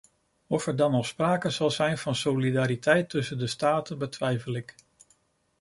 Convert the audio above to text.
Of er dan nog sprake zal zijn van solidariteit tussen de staten betwijfel ik.